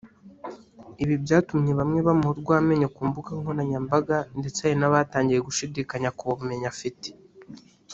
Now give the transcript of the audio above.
Ibi byatumye bamwe bamuha urw’amenyo ku mbuga nkoranyambaga ndetse hari n’abatangiye gushidikanya ku bumenyi afite